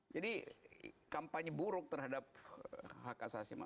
jadi kampanye buruk terhadap hak asasi manusia